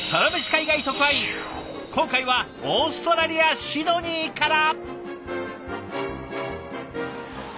今回はオーストラリア・シドニーから！